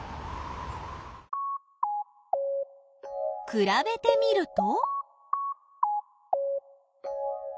くらべてみると？